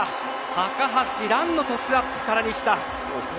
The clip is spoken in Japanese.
高橋藍のトスアップから西田でした。